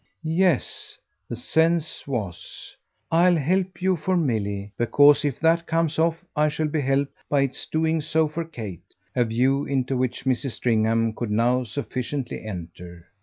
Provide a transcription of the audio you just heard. "Yes," the sense was, "I'll help you for Milly, because if that comes off I shall be helped, by its doing so, for Kate" a view into which Mrs. Stringham could now sufficiently enter.